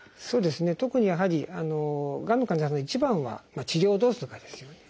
特にやはりがんの患者さんの一番は治療をどうするかですよね。